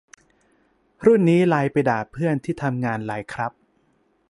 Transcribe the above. รุ่นนี้ไลน์ไปด่าเพื่อนที่ทำงานไลน์ครับ